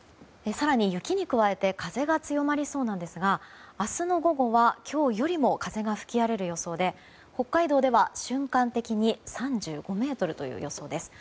更に、雪に加えて風が強まりそうなんですが明日の午後は今日よりも風が吹き荒れる予想で北海道では瞬間的に３５メートルという予想です。